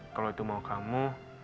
kalau itu mau kamu